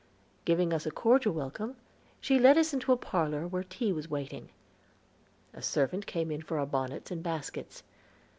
Giving us a cordial welcome, she led us into a parlor where tea was waiting. A servant came in for our bonnets and baskets.